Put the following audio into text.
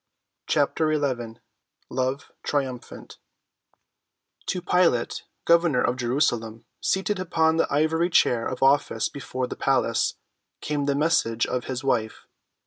CHAPTER XI LOVE TRIUMPHANT To Pilate, governor of Jerusalem, seated upon the ivory chair of office before the palace, came the message of his wife.